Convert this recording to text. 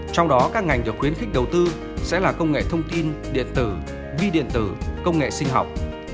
trong đó các ngành được khuyến khích đầu tư sẽ là công nghệ thông tin điện tử vi điện tử công nghệ sinh học